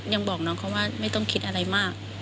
ยังบอกน้องเขาว่าไม่ต้องคิดอะไรมาก